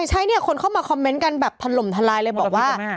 ใช่เนี่ยคนเข้ามาคอมเมนต์กันแบบถล่มทลายเลยบอกว่า